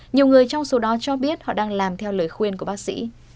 nhiều người trong số đó cho biết họ đang làm theo lời khuyên của bác sĩ